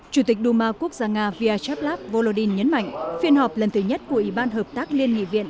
chủ tịch duma quốc gia nga vyacheslav volodin nhấn mạnh phiên họp lần thứ nhất của ủy ban hợp tác liên nghị viện